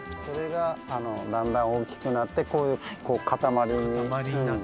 それがだんだん大きくなってこういう塊に。